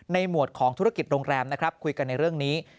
ในหมวดของธุรกิจโรงแรมคุยกันในเรื่องนี้